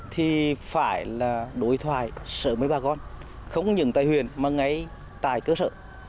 thì phải đối thoại sở với bà con không những tài huyền mà ngay tài cơ sở